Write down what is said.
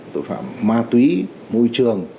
tội phạm ma túy môi trường